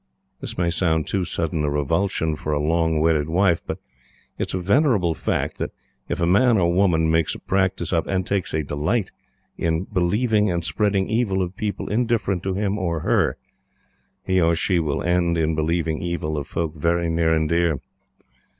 This may sound too sudden a revulsion for a long wedded wife; but it is a venerable fact that, if a man or woman makes a practice of, and takes a delight in, believing and spreading evil of people indifferent to him or her, he or she will end in believing evil of folk very near and dear.